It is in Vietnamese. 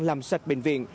làm sạch bệnh viện